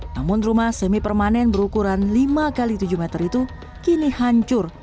namun rumah semi permanen berukuran lima x tujuh meter itu kini hancur